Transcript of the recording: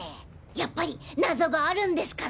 やっぱり謎があるんですから！